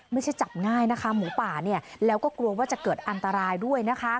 ไม่ใช่จับง่ายนะคะหมูป่าแล้วก็กลัวว่าจะเกิดอันตรายด้วยนะคะ